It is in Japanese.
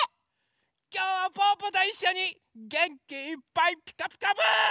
きょうはぽぅぽといっしょにげんきいっぱい「ピカピカブ！」。